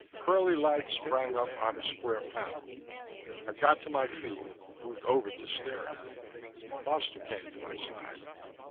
Pearly light sprang up on a square panel. I got to my feet, moved over to stare at it. Foster came to my side.